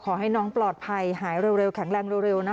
หรือว่ามันใช้ได้ไม่ให้เด็กอายุขนาดนี้อะไรอย่างนี้